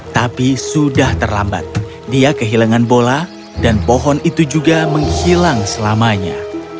tapi sudah terlambat dia kehilangan bola dan pohon itu juga menghilang selamanya